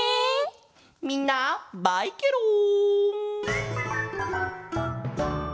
みんなバイケロン！